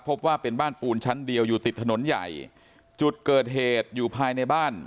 พบว่าเป็นบ้านปูนชั้นเดียวอยู่ติดถนนใหญ่จุดเกิดเหตุอยู่ภายในบ้าน